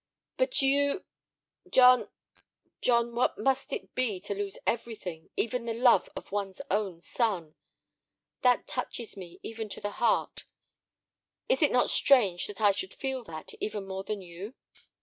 "But you—" "John—John, what must it be to lose everything, even the love of one's own son? That touches me, even to the heart. Is it not strange that I should feel that, even more than you?"